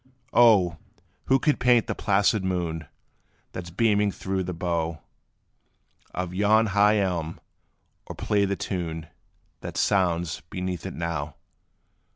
O! who could paint the placid moon, That 's beaming through the bough Of yon high elm, or play the tune, That sounds beneath it now?